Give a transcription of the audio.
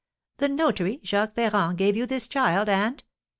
"The notary, Jacques Ferrand, gave you this child and